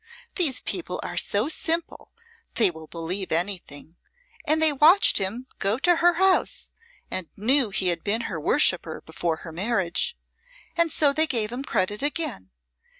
These people are so simple they will believe anything, and they watched him go to her house and knew he had been her worshipper before her marriage. And so they gave him credit again.